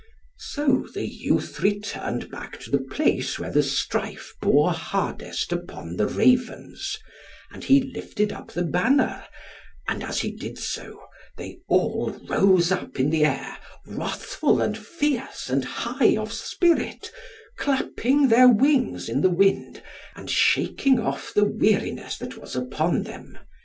So the youth returned back to the place where the strife bore hardest upon the Ravens, and he lifted up the banner; and as he did so they all rose up in the air, wrathful and fierce and high of spirit, clapping their wings in the wind, and shaking off the weariness that was upon them.